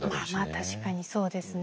まあ確かにそうですね。